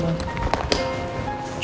coba aku telfon lagi